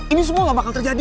ini semua nggak bakal terjadi